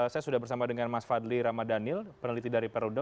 saya sudah bersama dengan mas fadli ramadhanil peneliti dari peruda